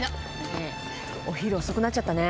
ねぇお昼遅くなっちゃったね。